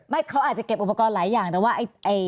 ไม่เขาอาจจะเก็บอุปกรณ์หลายอย่างแต่ว่าอุปกรณ์มันคำแพ้